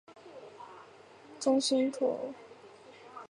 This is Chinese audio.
中心附近坐落了一群低矮的山丘。